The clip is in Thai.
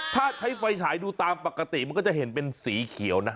ถ้าใช้ไฟฉายดูตามปกติมันก็จะเห็นเป็นสีเขียวนะ